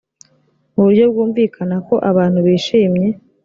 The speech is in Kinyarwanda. mu buryo bwumvikana ko abantu bishimye